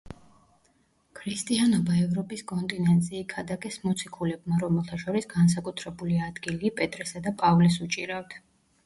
ქრისტიანობა ევროპის კონტინენტზე იქადაგეს მოციქულებმა, რომელთა შორის განსაკუთრებული ადგილი პეტრესა და პავლეს უჭირავთ.